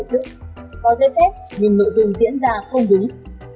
có giấy phép nhưng nội dung diễn ra không đúng